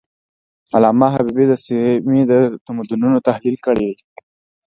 علامه حبيبي د سیمې د تمدنونو تحلیل کړی دی.